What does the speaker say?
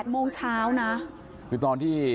เชิงชู้สาวกับผอโรงเรียนคนนี้